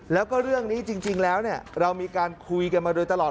แล้วก็เรื่องนี้จริงแล้วเรามีการคุยกันมาโดยตลอด